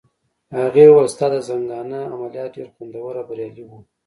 هغې وویل: ستا د زنګانه عملیات ډېر خوندور او بریالي وو.